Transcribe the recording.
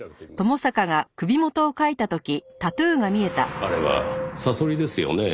あれはサソリですよねぇ。